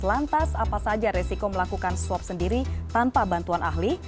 lantas apa saja resiko melakukan swab sendiri tanpa bantuan ahli